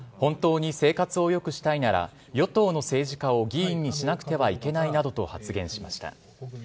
本当に生活をよくしたいなら、与党の政治家を議員にしなくてはいけないなどと発言しました。